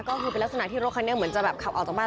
ก็คือเป็นลักษณะที่รถคานี่แบบจะขับออกจากบ้าน